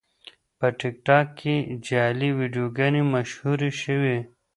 په ټیکټاک کې جعلي ویډیوګانې مشهورې شوې.